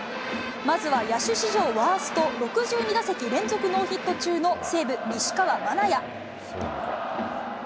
まずは野手史上ワースト６２打席連続ノーヒット中の西武、西川愛也。